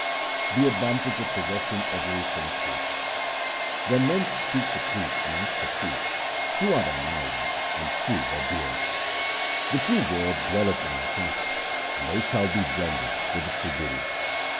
The advantage of possessing everything true :— When men speak the truth and act the truth, true are their mouths and true their beards. The true Word dwelleth in their hearts, and they shall be blended with the True Guru.